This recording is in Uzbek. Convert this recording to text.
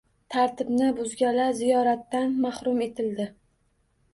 Tartibni buzganlar ziyoratdan mahrum etildi.